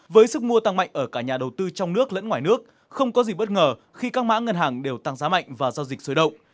với sức mua tăng mạnh ở cả nhà đầu tư trong nước lẫn ngoài nước không có gì bất ngờ khi các mã ngân hàng đều tăng giá mạnh và giao dịch sôi động